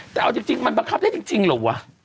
แต่เอาจริงมันบังคับได้จริงเหรอวะ